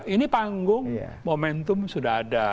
ini panggung momentum sudah ada